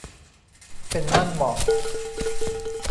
เป็นมั่นเหมาะ